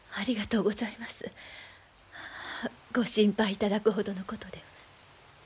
ご心配いただくほどのことでは。